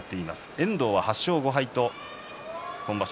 遠藤は８勝５敗と今場所